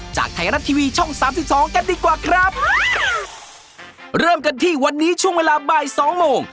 จากไทยรัฐทีวีช่องสามสิบสองกันดีกว่าครับเริ่มกันที่วันนี้ช่วงเวลาบ่ายสองโมง